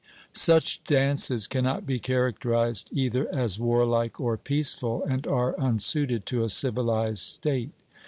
Such dances cannot be characterized either as warlike or peaceful, and are unsuited to a civilized state.